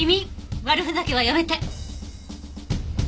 悪ふざけはやめて。